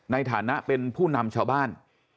ในฐานะเป็นผู้นำชาวบ้าน